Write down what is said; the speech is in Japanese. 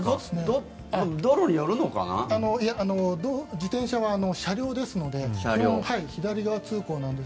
自転車は車両ですので基本、左側通行なんです。